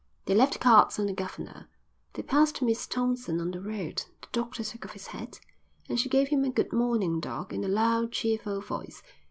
They left cards on the governor. They passed Miss Thompson on the road. The doctor took off his hat, and she gave him a "Good morning, doc.," in a loud, cheerful voice.